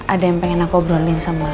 ada yang pengen aku obrolin sama